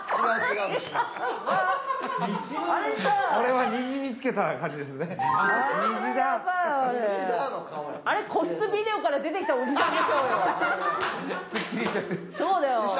あれ個室ビデオから出てきたおじさんでしょうよ。